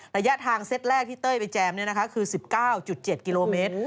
ระยะทางเซตแรกที่เต้ยไปแจมคือ๑๙๗กิโลเมตร